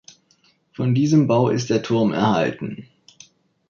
Von diesem Bau ist der Turm erhalten.